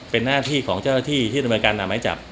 เป็นหน้าที่ของเจ้าหน้าที่ที่ประกรรมการตามหมายจับ